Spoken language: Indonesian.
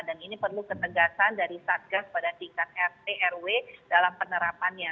dan ini perlu ketegasan dari satgas pada tingkat rt rw dalam penerapannya